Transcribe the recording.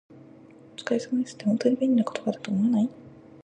「お疲れ様です」って、本当に便利な言葉だと思わない？